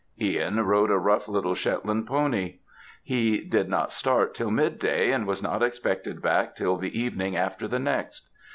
Ihan rode a rough little Shetland pony; he did not start till midday, and was not expected back till the evening after the next.